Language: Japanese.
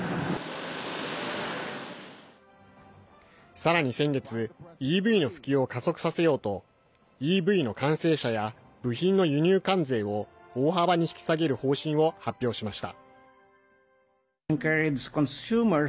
さらに先月ＥＶの普及を加速させようとＥＶの完成車や部品の輸入関税を大幅に引き下げる方針を発表しました。